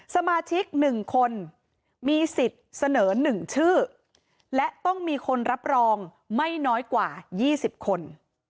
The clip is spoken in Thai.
สมาชิกหนึ่งคนมีสิทธิ์เสนอหนึ่งชื่อและต้องมีคนรับรองไม่น้อยกว่ายี่สิบคน